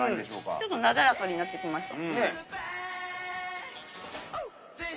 ちょっとなだらかになってきました。